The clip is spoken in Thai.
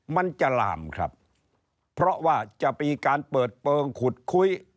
มันจะลามครับเพราะว่าจะมีการเปิดเปิงขุดคุย